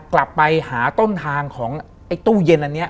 กลับไปหาต้นทางของไอ้ตู้เย็นอันนี้